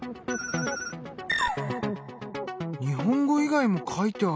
日本語以外も書いてある。